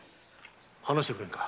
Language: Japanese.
話してくれんか？